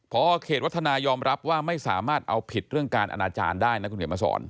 พอเขตวัฒนายอมรับว่าไม่สามารถเอาผิดเรื่องการอนาจารย์ได้นะคุณเขียนมาสอน